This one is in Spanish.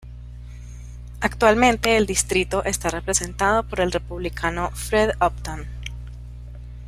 Actualmente el distrito está representado por el Republicano Fred Upton.